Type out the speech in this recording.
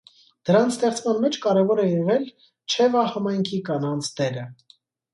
Դրանց ստեղծման մեջ կարևոր է եղել չևա համայնքի կանանց դերը։